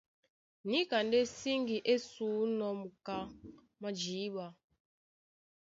Níka ndé síŋgi é sǔnɔ́ muká mwá jǐɓa.